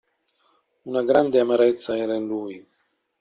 Una grande amarezza era in lui!